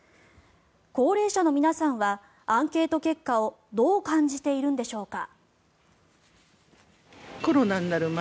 高齢者の皆さんはアンケート結果をどう感じているんでしょうか。